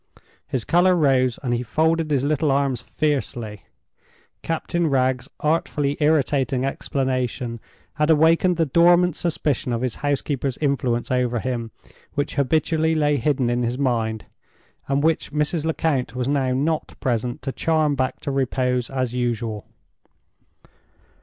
His color rose, and he folded his little arms fiercely. Captain Wragge's artfully irritating explanation had awakened that dormant suspicion of his housekeeper's influence over him which habitually lay hidden in his mind, and which Mrs. Lecount was now not present to charm back to repose as usual.